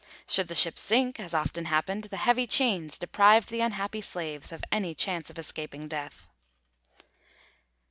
Should the ship sink, as often happened, the heavy chains deprived the unhappy slaves of any chance of escaping death.